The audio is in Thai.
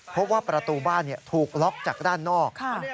เพราะว่าประตูบ้านถูกล็อกจากด้านนอก